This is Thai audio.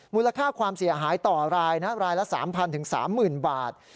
มูลค่าความเสียหายต่อรายนะรายละ๓๐๐๓๐๐บาท